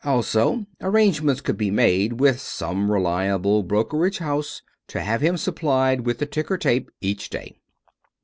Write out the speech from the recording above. Also, arrangements could be made with some reliable brokerage house to have him supplied with the ticker tape each day.